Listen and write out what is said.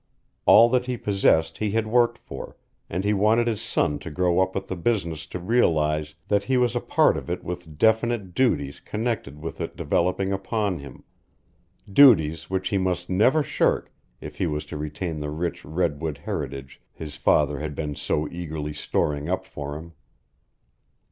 All that he possessed he had worked for, and he wanted his son to grow up with the business to realize that he was a part of it with definite duties connected with it developing upon him duties which he must never shirk if he was to retain the rich redwood heritage his father had been so eagerly storing up for him.